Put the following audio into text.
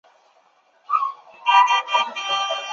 第二次世界大战中服役于英属印度陆军。